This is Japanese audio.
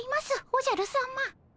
おじゃるさま。